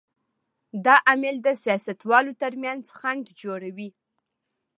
دا عامل د سیاستوالو تر منځ خنډ جوړوي.